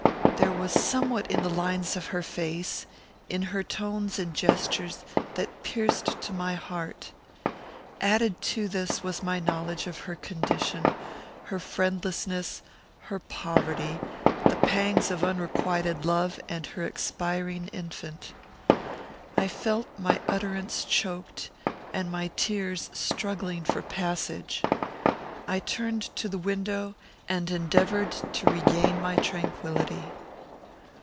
There was somewhat in the lines of her face, in her tones and gestures, that pierced to my heart. Added to this, was my knowledge of her condition; her friendlessness; her poverty; the pangs of unrequited love; and her expiring infant. I felt my utterance choked, and my tears struggling for passage. I turned to the window, and endeavoured to regain my tranquillity.